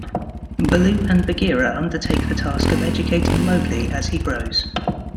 Baloo and Bagheera undertake the task of educating Mowgli as he grows.